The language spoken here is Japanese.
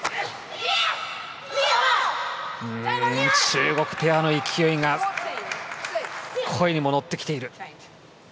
中国ペアの勢いが声にも乗ってきている。